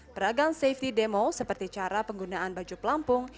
beragam safety demo seperti cara penggunaan baju pelampung